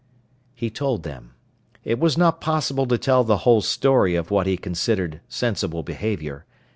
He told them. It was not possible to tell the whole story of what he considered sensible behavior.